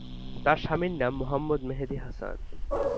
তার স্বামীর নাম মো মেহেদী হাসান।